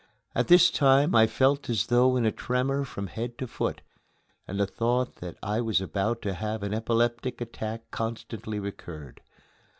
At this time I felt as though in a tremor from head to foot, and the thought that I was about to have an epileptic attack constantly recurred.